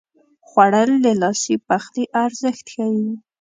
خوړل د لاسي پخلي ارزښت ښيي